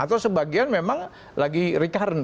atau sebagian memang lagi recurrent